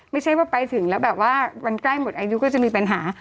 ไม่ใช่ว่าไปถึงแล้วแบบว่าวันใกล้หมดอายุก็จะมีปัญหา